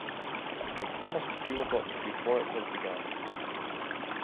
I promised you a book before it was begun.